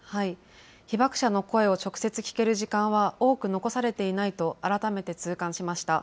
被爆者の声を直接聞ける時間は多く残されていないと、改めて痛感しました。